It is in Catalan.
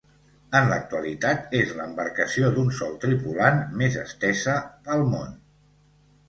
En l'actualitat, és l'embarcació d'un sol tripulant més estesa pel món.